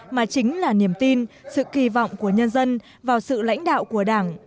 mà chính là niềm tin sự kỳ vọng của nhân dân vào sự lãnh đạo của đảng